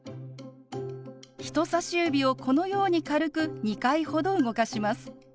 人さし指をこのように軽く２回ほど動かします。